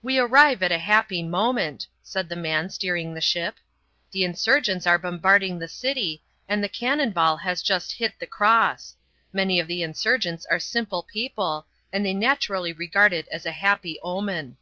"We arrive at a happy moment," said the man steering the ship. "The insurgents are bombarding the city, and a cannon ball has just hit the cross. Many of the insurgents are simple people, and they naturally regard it as a happy omen."